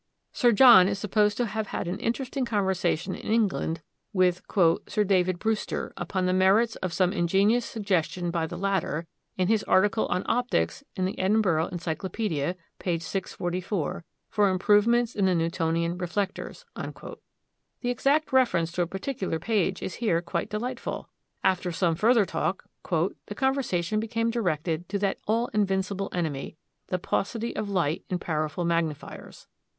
Sir John is supposed to have had an interesting conversation in England "with Sir David Brewster, upon the merits of some ingenious suggestion by the latter, in his article on optics in the Edinburgh Encyclopædia (p. 644), for improvements in the Newtonian reflectors." The exact reference to a particular page is here quite delightful. After some further talk, "the conversation became directed to that all invincible enemy, the paucity of light in powerful magnifiers.